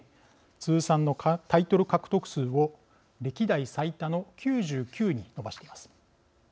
通算のタイトル獲得数を歴代最多の９９に伸ばしています。